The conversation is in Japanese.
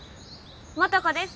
素子です。